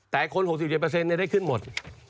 แต่คน๖๗ได้ขึ้นหมด